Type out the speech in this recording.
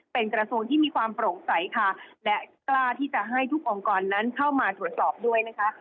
เป็นกระทรวงที่มีความโปร่งใสค่ะและกล้าที่จะให้ทุกองค์กรนั้นเข้ามาตรวจสอบด้วยนะคะ